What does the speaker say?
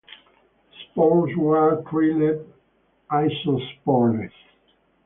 Spores were trilete isospores.